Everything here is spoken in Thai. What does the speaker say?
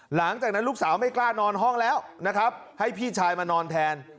หลังจากนั้นลูกสาวไม่กล้านอนห้องแล้วนะครับให้พี่ชายมานอนแทน